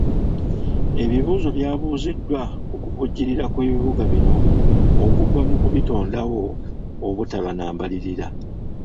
Ebibuuzo byabuuziddwa ku kuvujjirira kw'ebibuga bino okuva mu ku bitondawo obutaba na mbalirira.